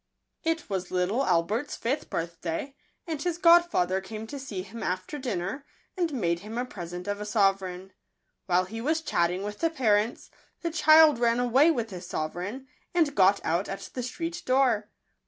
*T was little Albert's fifth birthday ; and his godfather came to see him after dinner, and made him a pre sent of a sovereign. While he was chatting with the parents, the child ran away with his sovereign, and got out at the street door.